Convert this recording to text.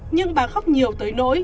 nhưng bà khóc nhiều tới nỗi